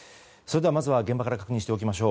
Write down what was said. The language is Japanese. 現場から確認しておきましょう。